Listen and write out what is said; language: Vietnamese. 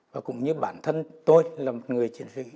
và cũng như bản thân tôi là một người chiến sĩ